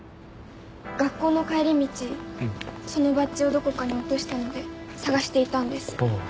学校の帰り道そのバッジをどこかに落としたので捜していたんです。